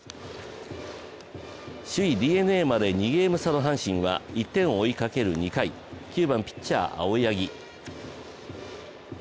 首位・ＤｅＮＡまで２ゲーム差の阪神は１点を追いかける２回、９番、ピッチャー・青柳。